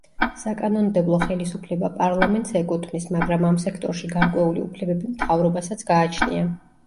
საკანონმდებლო ხელისუფლება პარლამენტს ეკუთვნის, მაგრამ ამ სექტორში გარკვეული უფლებები მთავრობასაც გააჩნია.